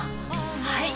はい！